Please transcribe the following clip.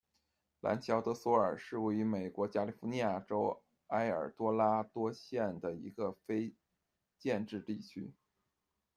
兰乔德索尔是位于美国加利福尼亚州埃尔多拉多县的一个非建制地区。